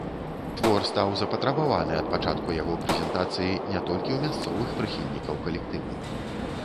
Твор стаў запатрабаваны ад пачатку яго прэзентацыі не толькі ў мясцовых прыхільнікаў калектыву.